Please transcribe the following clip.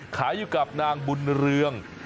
ขายอยู่กับนางบุญเรือง